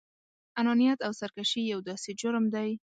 انانيت او سرکشي يو داسې جرم دی.